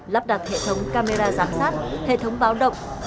lắp đặt hệ thống camera giám sát hệ thống báo động